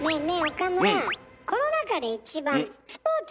岡村。